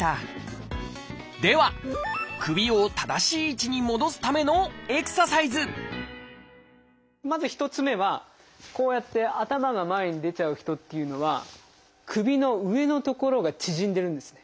では首を正しい位置に戻すためのエクササイズまず１つ目はこうやって頭が前に出ちゃう人っていうのは首の上の所が縮んでるんですね。